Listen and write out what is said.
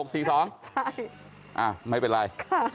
สวัสดีครับพี่ครับ